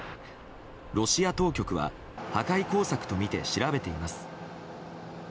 ロシア当局は破壊工作とみて調べています。